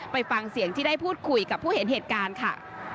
ไปฟังเสียงที่ได้พูดคุยกับผู้เห็นเหตุการณ์ค่ะ